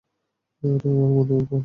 এটাই আমার মনের ঝাল।